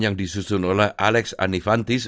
yang disusun oleh alex anifantis